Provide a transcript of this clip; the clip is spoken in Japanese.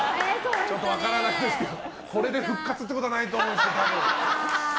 ちょっと分からないですけどこれで復活ってことは多分ないと思うんですけど。